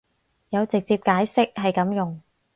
有直接解釋係噉用